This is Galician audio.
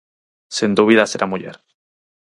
Sen dúbida será muller.